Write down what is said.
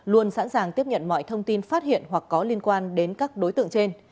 luôn sẵn sàng tiếp nhận mọi thông tin phát hiện hoặc có liên quan đến các đối tượng trên